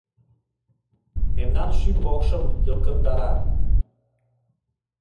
Мемнан шӱм-мокшым йылкындара.